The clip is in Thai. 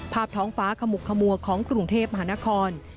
ท้องฟ้าขมุกขมัวของกรุงเทพมหานคร